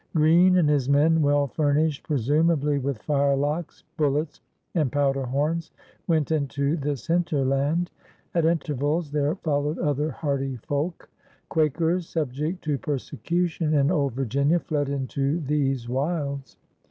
•••'' Green and his men, well furnished presumably with firelocks, bullets, and powder horns, went into this hinterland. At intervals there followed other hardy folk. Quakers, subject to persecution in old Virginia, fled into these wilds.